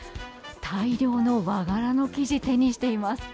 大量の和柄の生地手にしています。